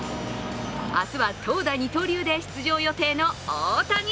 明日は投打二刀流で出場予定の大谷。